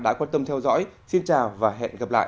đã quan tâm theo dõi xin chào và hẹn gặp lại